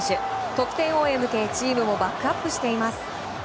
得点王へ向け、チームもバックアップしています。